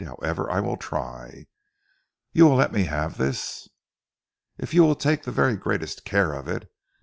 However I will try. You will let me have this?" "If you will take the very greatest care of it.